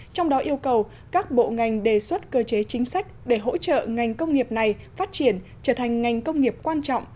trong đó yêu cầu các bộ ngành đề xuất cơ chế chính sách để hỗ trợ ngành công nghiệp này phát triển trở thành ngành công nghiệp quan trọng